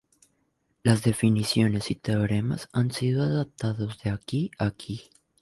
Las definiciones y teoremas han sido adaptados de aquí y aquí.